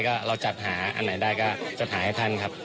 ก็เราจัดหาอันไหนได้ก็จะถ่ายให้ท่านครับ